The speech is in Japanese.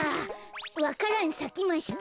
わか蘭さきました。